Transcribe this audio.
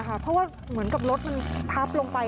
เพราะว่าเหมือนกับรถมันทับลงไป